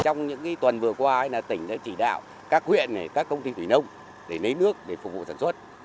trong những tuần vừa qua tỉnh đã chỉ đạo các huyện các công ty thủy nông để lấy nước để phục vụ sản xuất